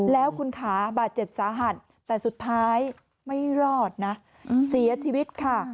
แล้วคุณขาบาดเจ็บสาหัสแต่สุดท้ายไม่รอดนะเสียชีวิตค่ะ